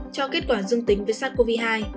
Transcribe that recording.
cho kết quả dương tính với sars cov hai